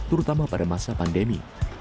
terutama pada masa pandemi